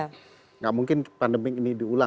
tidak mungkin pandemi ini diulang